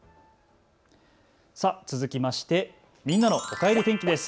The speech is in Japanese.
続きましてみんなのおかえり天気です。